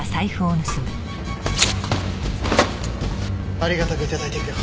ありがたく頂いていくよ